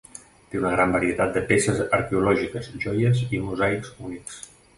Té una gran varietat de peces arqueològiques, joies i mosaics únics.